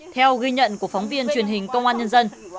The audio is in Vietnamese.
theo ghi nhận của phóng viên truyền hình công an nhân dân